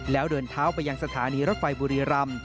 แล้วเดินเท้าไปยังสถานีรถไฟบุรีรำ